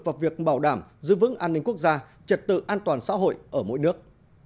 vào việc bảo đảm giữ vững an ninh quốc gia trật tự an toàn xã hội ở mỗi nước